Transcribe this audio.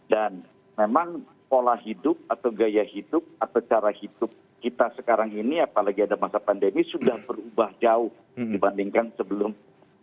dan memang pola hidup atau gaya hidup atau cara hidup kita sekarang ini apalagi ada masa pandemi sudah berubah jauh dibandingkan sebelum dua ribu dua puluh